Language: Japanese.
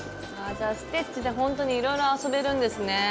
じゃあステッチでほんとにいろいろ遊べるんですね。